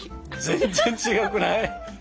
全然違うくない？